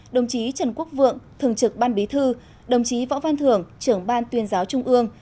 đồng chí trần quốc vượng thường trực ban bí thư đồng chí võ văn thưởng trưởng ban tuyên giáo trung ương